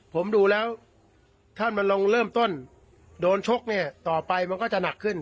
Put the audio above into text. ผมดูแล้วถ้ามันลองเริ่มต้นโดนชกเนี่ยต่อไปมันก็จะหนักขึ้น